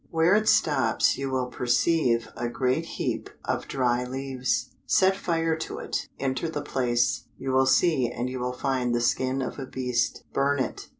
Where it stops you will perceive a great heap of dry leaves; set fire to it, enter the place; you will see and you will find the skin of a beast; burn it.